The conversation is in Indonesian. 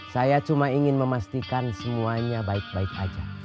saya cuma ingin memastikan semuanya baik baik aja